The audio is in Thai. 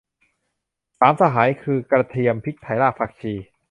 สามสหายคือ กระเทียม พริกไทย รากผักชี